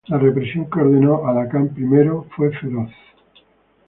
La represión que ordenó Al-Hakam I fue feroz.